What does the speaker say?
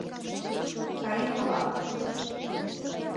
— Каен толам...